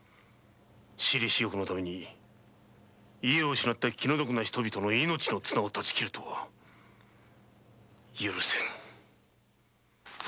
私利私欲のために家を失った気の毒な人々の命の綱を断ち切るとは許せぬ！